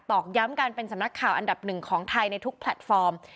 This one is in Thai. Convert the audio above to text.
อกย้ำการเป็นสำนักข่าวอันดับหนึ่งของไทยในทุกแพลตฟอร์ม